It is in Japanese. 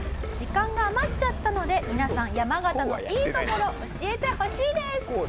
「時間が余っちゃったので皆さん山形のいいところ教えてほしいです」。